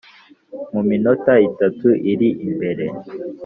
mu minota itatu iri imbere.'